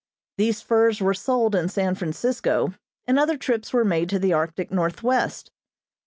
These furs were sold in San Francisco, and other trips were made to the Arctic Northwest.